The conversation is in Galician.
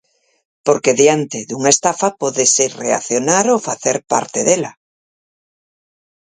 Porque, diante dunha estafa, pódese reaccionar ou facer parte dela.